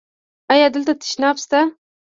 ایا دلته تشناب شته؟